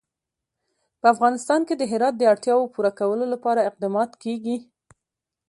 په افغانستان کې د هرات د اړتیاوو پوره کولو لپاره اقدامات کېږي.